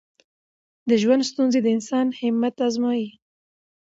د ژوند ستونزې د انسان همت ازمويي.